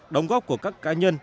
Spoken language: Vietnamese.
đồng góp của các cá nhân